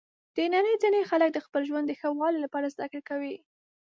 د نړۍ ځینې خلک د خپل ژوند د ښه والي لپاره زده کړه کوي.